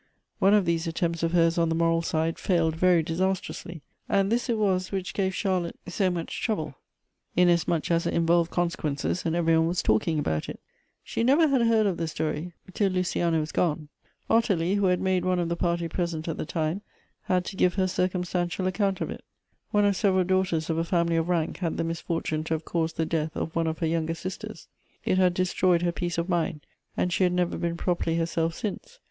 One of these attempts of hers on the moral side failed very disastrously, and this it was which gave Charlotte so much trouble, inasmuch as it involved consequences and every one was talking about it. She never had heard of the story till Luciana was gone : Ottilie, who had made one of the party present at the time, had to give her a circumstantial account of it. One of several daughters of a family of rank had the misfortune to have caused the death of one of her younger sisters ; it had destroyed her peace of mind, and she had never been properly herself since.